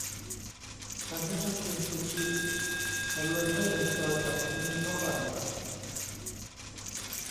ฉันไม่ชอบกินซูชิ ฉันเลยไม่เอนจอยกับมื้อนี้เท่าไหร่หนัก